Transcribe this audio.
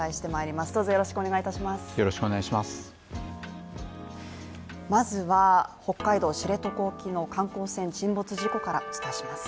まずは北海道知床半島観光船沈没事故からお伝えします。